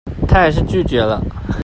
她還是拒絕了